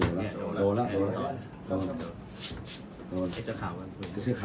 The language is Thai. ส่วนสุดท้ายส่วนสุดท้าย